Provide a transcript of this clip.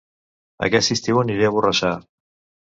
Aquest estiu aniré a Borrassà